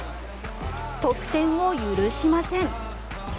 得点を許しません。